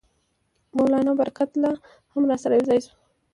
مولنا برکت الله هم راسره یو ځای شو.